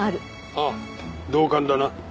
ああ同感だな。